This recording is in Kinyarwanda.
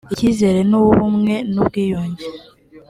icyizere n’uw’ubumwe n’ubwiyunge